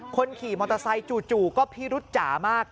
คนขี่มอเตอร์ไซค์จู่ก็พิรุษจ๋ามาก